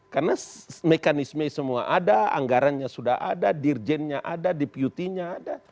karena mekanisme semua ada anggarannya sudah ada dirjennya ada deputinya ada